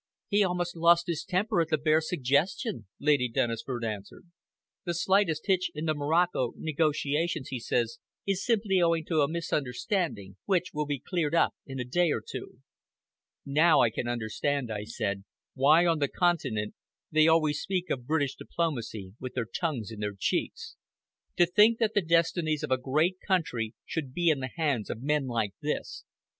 "He almost lost his temper at the bare suggestion," Lady Dennisford answered. "The slight hitch in the Morocco negotiations, he says, is simply owing to a misunderstanding, which will be cleared up in a day or two." "Now I can understand," I said, "why, on the Continent, they always speak of British diplomacy with their tongues in their cheeks. To think that the destinies of a great country should be in the hands of men like this.